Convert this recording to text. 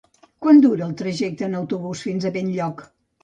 Quant dura el trajecte en autobús fins a Benlloc?